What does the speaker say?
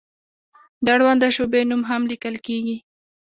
د اړونده شعبې نوم هم لیکل کیږي.